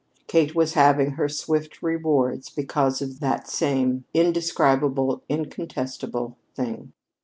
Kate was having her swift rewards because of that same indescribable, incontestable thing.